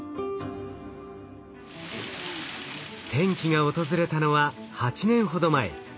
転機が訪れたのは８年ほど前。